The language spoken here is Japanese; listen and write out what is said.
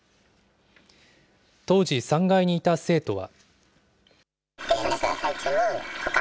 当時、３階にいた生徒は。